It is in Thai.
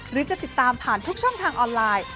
หรือจะติดตามผ่านทุกช่องทางออนไลน์